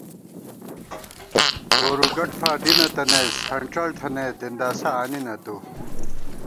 گورُو گٹ فار دی نہ تنَئیس ہنڄڑ تھنَئیت دِنداسہ آنی نہ تُو